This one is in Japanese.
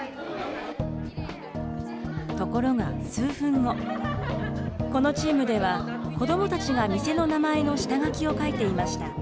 ところが数分後、このチームでは、子どもたちが店の名前の下書きを書いていました。